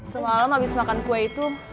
semalam abis makan kue itu